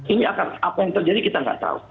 ini akan apa yang terjadi kita nggak tahu